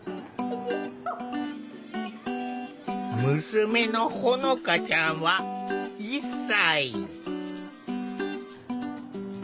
娘のほのかちゃんは１歳。